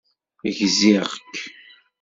Gziɣ-k.